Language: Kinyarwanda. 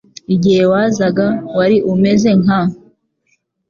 Igihe wazaga, wari umeze nka